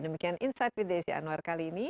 demikian insight with desi anwar kali ini